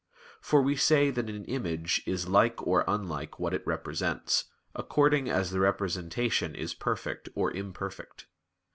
For we say that an image is like or unlike what it represents, according as the representation is perfect or imperfect.